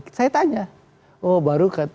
oh baru ternyata dia bergabung